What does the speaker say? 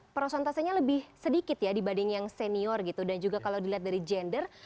prosentasenya lebih sedikit ya dibanding yang senior gitu dan juga kalau dilihat dari gender